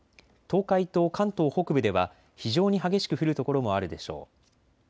東海と関東北部では非常に激しく降る所もあるでしょう。